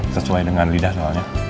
sesuai dengan lidah soalnya